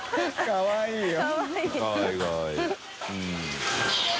かわいいな。